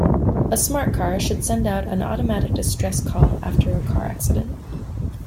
A smart car should send out an automatic distress call after a car accident.